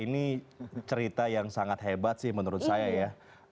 ini cerita yang sangat hebat sih menurut saya ya